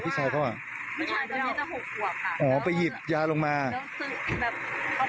พี่ชายเขาอ่ะพี่ชายกี่ปีก็หกกว่าค่ะอ๋อไปหยิบยาลงมาแล้วคือแบบ